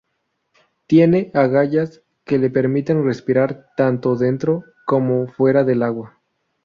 Tiene agallas que le permiten respirar tanto dentro como fuera del agua.